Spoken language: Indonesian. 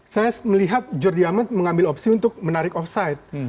saya melihat jordi amat mengambil opsi untuk menarik offside